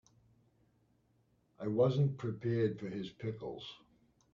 I wasn't prepared for his pickles.